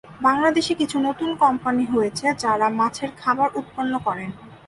বাংলাদেশে কিছু নতুন কোম্পানী হয়েছে যারা মাছের খাবার উৎপন্ন করেন।